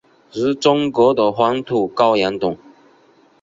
如中国的黄土高原等。